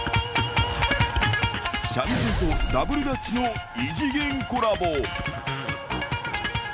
三味線とダブルダッチの異次元コラボ。